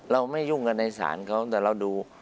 ไม่ยุ่งกันในศาลเขาแต่เราดู